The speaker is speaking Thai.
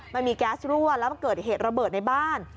มันมีแก๊สรั่วแล้วมันเกิดเหตุระเบิดในบ้าน